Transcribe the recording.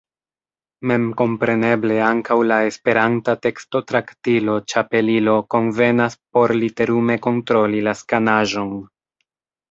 Memkompreneble ankaŭ la esperanta tekstotraktilo Ĉapelilo konvenas por literume kontroli la skanaĵon.